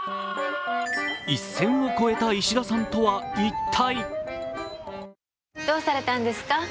一線を越えた石田さんとは一体？